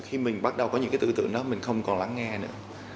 khi mình bắt đầu có những cái tư tưởng đó mình không còn lắng nghe nữa